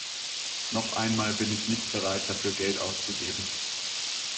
Noch einmal bin ich nicht bereit dafür Geld auszugeben.